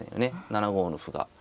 ７五の歩が。